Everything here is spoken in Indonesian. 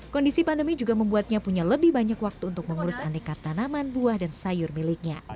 kondisi pandemi juga membuatnya punya lebih banyak waktu untuk mengurus aneka tanaman buah dan sayur miliknya